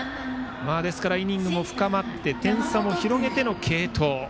イニングも深まって点差も広げての継投。